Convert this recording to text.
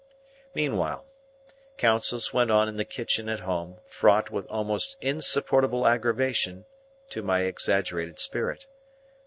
Meanwhile, councils went on in the kitchen at home, fraught with almost insupportable aggravation to my exasperated spirit.